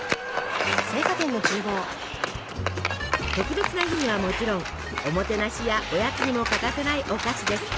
特別な日にはもちろんおもてなしやおやつにも欠かせないお菓子です。